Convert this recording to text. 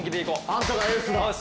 あんたがエースだ。